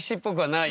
ない。